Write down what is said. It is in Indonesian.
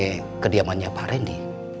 ini kediamannya pak randy